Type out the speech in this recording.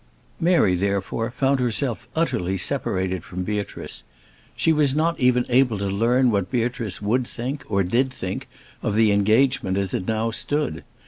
Mary, therefore, found herself utterly separated from Beatrice. She was not even able to learn what Beatrice would think, or did think, of the engagement as it now stood.